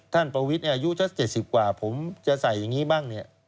ท่านปวิทย์อายุเจ็ดสิบกว่าผมจะใส่แบบนี้บ้าง